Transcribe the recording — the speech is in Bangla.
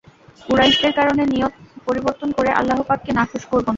কুরাইশদের কারণে নিয়ত পরিবর্তন করে আল্লাহ পাককে নাখোশ করব না।